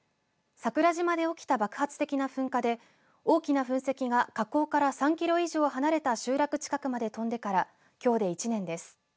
桜島で起きた爆発的な噴火で大きな噴石が火口から３キロ以上離れた集落近くまで飛んでからきょうで１年です。